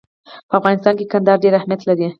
په افغانستان کې کندهار ډېر اهمیت لري.